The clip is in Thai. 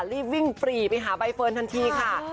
รีบวิ่งปรีไปหาใบเฟิร์นทันทีค่ะ